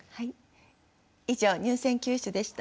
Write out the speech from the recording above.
以上入選九首でした。